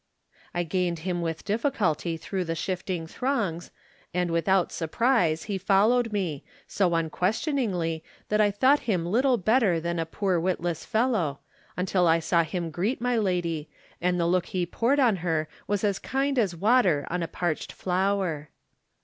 I gained him with diflBculty through the shifting throngs, and without surprise he followed me — so unquestioningly that I thought him little better than a poor witless Digitized by Google THE NINTH MAN fellow, until I saw him greet my lady, and the look he poured on her was as kind as water on a parched flower.